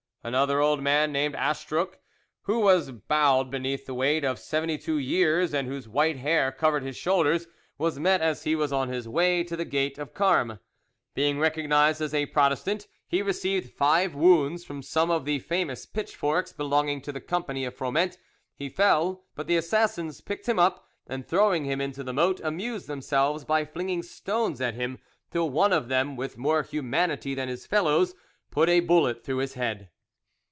Another old man named Astruc, who was bowed beneath the weight of seventy two years and whose white hair covered his shoulders, was met as he was on his way to the gate of Carmes. Being recognised as a Protestant, he received five wounds from some of the famous pitchforks belonging to the company of Froment. He fell, but the assassins picked him up, and throwing him into the moat, amused themselves by flinging stones at him, till one of them, with more humanity than his fellows, put a bullet through his head.